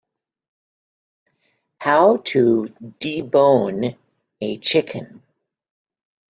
How to debone a chicken.